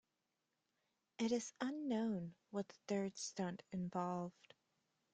It is unknown what the third stunt involved.